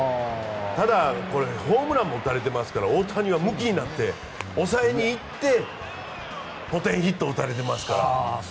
ただ、ホームランも打たれてますから大谷はむきになって抑えに行ってポテンヒットを打たれていますから。